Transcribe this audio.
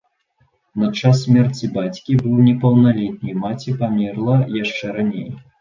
На час смерці бацькі быў непаўналетні, маці памерла яшчэ раней.